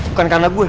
bukan karena gue